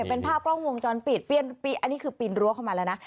เป็นภาพกล้องวงจรปิดอันนี้คือปีนรั้วเข้ามาแล้วนะ